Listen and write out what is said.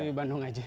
di bandung aja